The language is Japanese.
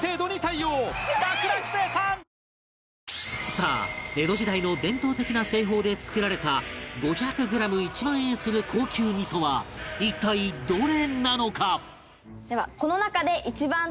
さあ江戸時代の伝統的な製法で作られた５００グラム１万円する高級味噌は一体どれなのか？